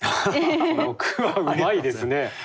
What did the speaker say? この句はうまいですね。